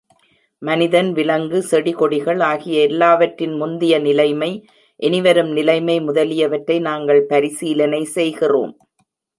மனிதன், விலங்கு, செடி கொடிகள் ஆகிய எல்லாவற்றின் முந்திய நிலைமை, இனிவரும் நிலைமை முதலியவற்றை நாங்கள் பரிசீலனை செய்கிறோம்.